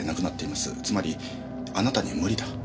つまりあなたには無理だ。